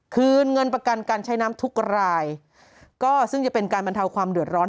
คืนเงินประกันการใช้น้ำทุกรายก็ซึ่งจะเป็นการบรรเทาความเดือดร้อน